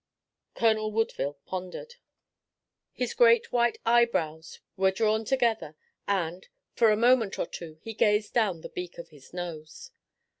Colonel Woodville pondered. His great white eyebrows were drawn together and, for a moment or two, he gazed down the beak of his nose.